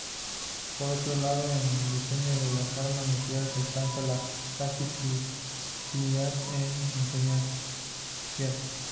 Por otro lado, en el diseño de arma nucleares alcanzar la casi-criticidad es esencial.